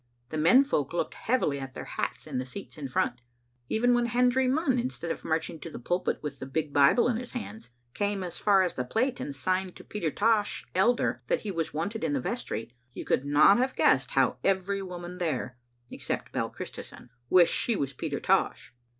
The men folk looked heavily at their hats in the seats in front. Even when Hendry Munn, instead of marching to the pulpit with the big Bible in his hands, came as far as the plate and signed to Peter Tosh, elder, that he was wanted in the vestry, you could not have guessed how every woman there, except Bell Christison, wished she was Peter Tosh.